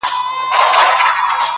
• هم روزي کورونه هم مېلمه دی په پاللی -